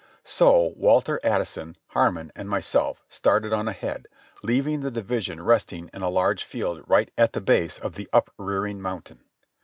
So Walter Addison, Harmon and myself started on ahead, leaving the division resting in a large field right at the base of the up rearing mountain.